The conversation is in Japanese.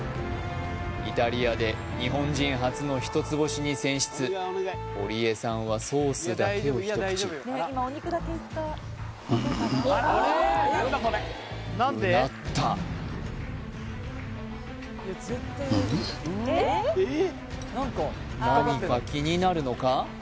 イタリアで日本人初の一つ星に選出堀江さんはソースだけを一口うなった何か気になるのか？